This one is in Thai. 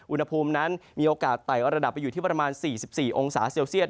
อุณหภูมินั้นมีโอกาสต่ายรระดับประมาณ๔๔องศาเซลเซียส